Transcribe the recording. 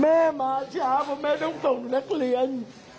แม่มาช้าเพราะแม่ต้องส่งนักเรียน